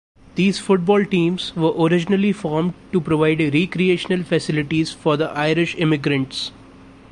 These football teams were originally formed to provide recreational facilities for the Irish immigrants.